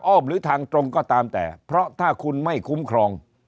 หรือทางตรงก็ตามแต่เพราะถ้าคุณไม่คุ้มครอง